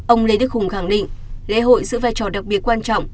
ông lê đức hùng khẳng định lễ hội giữ vai trò đặc biệt quan trọng